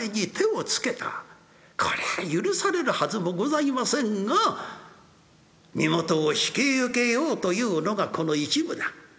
これは許されるはずもございませんが身元を引き受けようというのがこの一夢だ。